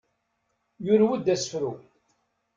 Yurew-d asefru.